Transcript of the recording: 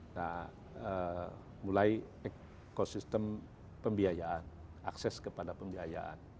nah mulai ekosistem pembiayaan akses kepada pembiayaan